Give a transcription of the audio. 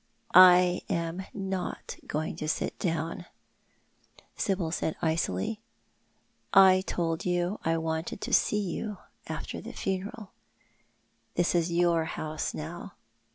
" I am not going to sit down," Sibyl said icily. " I told you I wanted to see you after the funeral. This is your house now.